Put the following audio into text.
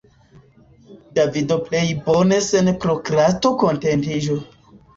Davido plej bone sen prokrasto kontentiĝu.